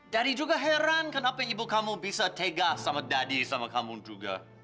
dari juga heran kenapa ibu kamu bisa tegas sama dari sama kamu juga